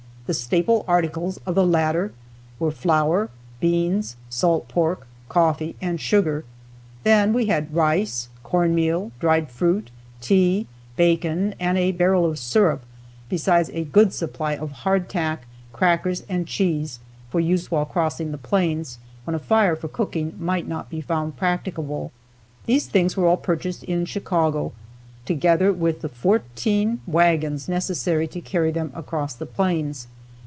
The staple articles of the latter were flour, beans, salt pork, coffee and sugar. Then we had rice, cornmeal, dried fruit, tea, bacon and a barrel of syrup; besides a good supply of hardtack, crackers and cheese for use while crossing the plains, when a fire for cooking might not be found practicable. These things were all purchased in Chicago, together with the fourteen wagons necessary to carry them across the plains.